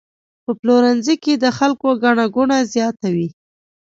په پلورنځي کې د خلکو ګڼه ګوڼه زیاته وي.